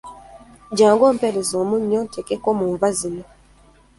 Jjangu ompeereze omunnyo nteekeko mu nva zino.